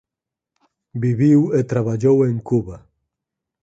Viviu e traballou en Cuba.